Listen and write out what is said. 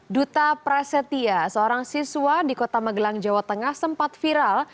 duta prasetya seorang siswa di kota magelang jawa tengah sempat viral